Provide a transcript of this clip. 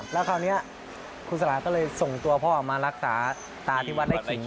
แล้วคราวนี้คุณสลาก็เลยส่งตัวพ่อมารักษาตาที่วัดไล่ขิง